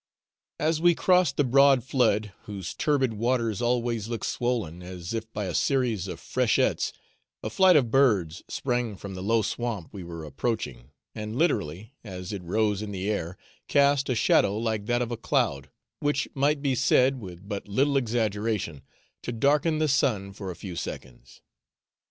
As we crossed the broad flood, whose turbid waters always look swollen as if by a series of freshets, a flight of birds sprang from the low swamp we were approaching, and literally, as it rose in the air, cast a shadow like that of a cloud, which might be said, with but little exaggeration, to darken the sun for a few seconds.